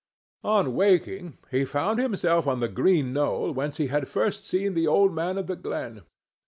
On waking, he found himself on the green knoll whence he had first seen the old man of the glen.